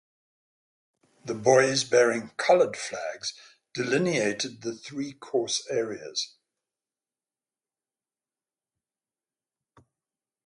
The buoys bearing colored flags delineated the three course areas.